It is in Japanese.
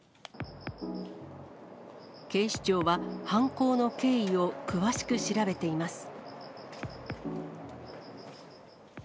警視庁は、犯行の経緯を詳しく調べています。